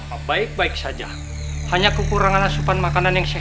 tidak ada apa apa wani